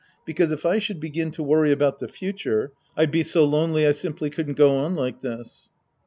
Because if I should begin to worry about the future, I'd be so lonely I simply couldn't go on like this.